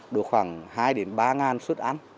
được khoảng hai ba ngàn xuất ăn